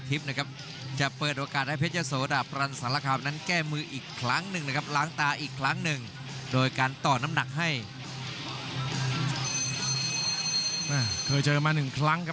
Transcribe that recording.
สิบแปดไฟล์เสมอสองไฟล์และแพ้สิบเก้าไฟล์ครับ